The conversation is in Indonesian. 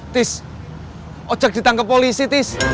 tis ojek ditangkap polisi tis